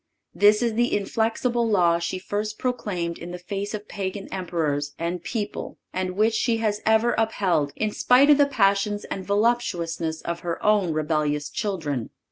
This is the inflexible law she first proclaimed in the face of Pagan Emperors and people and which she has ever upheld, in spite of the passions and voluptuousness of her own rebellious children.